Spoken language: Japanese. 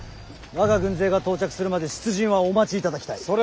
我が軍勢が到着するまで出陣はお待ちいただきたい。